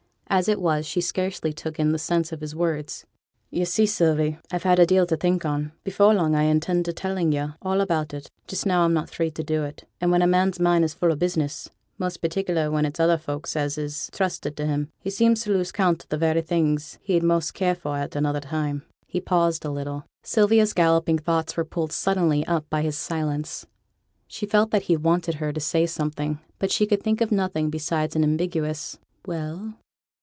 As it was, she scarcely took in the sense of his words. 'You see, Sylvie, I've had a deal to think on; before long I intend telling yo' all about it; just now I'm not free to do it. And when a man's mind is full o' business, most particular when it's other folk's as is trusted to him, he seems to lose count on the very things he'd most care for at another time.' He paused a little. Sylvia's galloping thoughts were pulled suddenly up by his silence; she felt that he wanted her to say something, but she could think of nothing besides an ambiguous 'Well?'